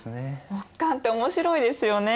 木簡って面白いですよね。